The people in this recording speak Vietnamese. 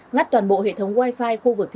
ngắt toàn bộ hệ thống quay